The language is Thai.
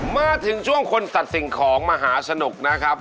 มาถึงช่วงคนตัดสิ่งของมหาสนุกนะครับ